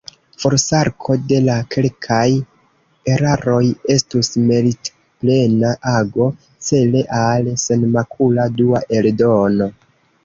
Forsarko de la kelkaj eraroj estus meritplena ago, cele al senmakula dua eldono.